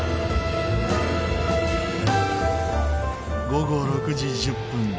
午後６時１０分